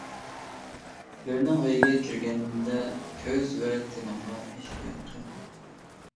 بىرىنىڭ ئۆيىگە كىرگەندە، كۆز ۋە تىلىڭغا ئېھتىيات قىل.